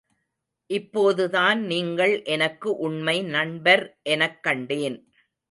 இப்போதுதான் நீங்கள் எனக்கு உண்மை நண்பர் எனக் கண்டேன்.